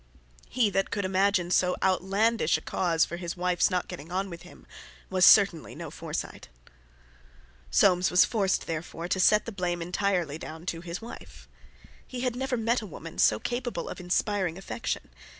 He that could imagine so outlandish a cause for his wife's not getting on with him was certainly no Forsyte. Soames was forced, therefore, to set the blame entirely down to his wife. He had never met a woman so capable of inspiring affection.